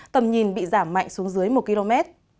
tầm nhìn bị giảm mạnh xuống dưới một km